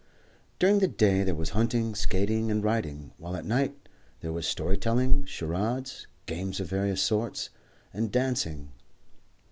During the day there was hunting, skating, and riding, while at night there was story telling, charades, games of various sorts, and dancing.